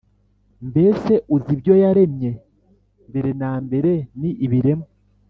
mbese uzi ibyo yaremye mbere na mbere? ni ibiremwa